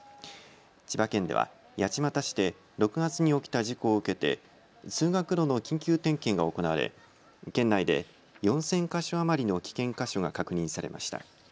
千葉県では八街市で６月に起きた事故を受けて通学路の緊急点検が行われ県内で４０００か所余りの危険か所が確認されました。